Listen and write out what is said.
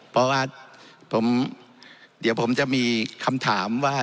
เพราะว่าเดี๋ยวผมจะมีคำถามว่า